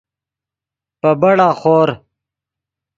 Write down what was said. پے بڑا خور